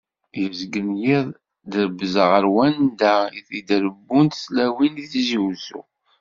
Yezgen yiḍ drebzeɣ ɣer wanda i d-rebbunt tlawin di Tizi Wezzu.